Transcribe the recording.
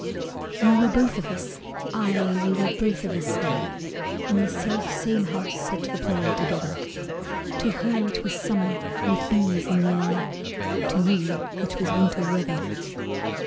We were both of us aye, we were both of us there, In the self same house at the play together, To her it was summer, with bees in the air To me it was winter weather.